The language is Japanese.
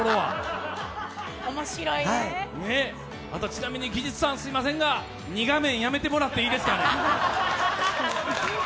ちなみに技術さんすいませんが二画面やめてもらっていいですかね？